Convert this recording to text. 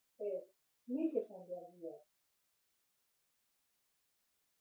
Ez, nik esan behar diot....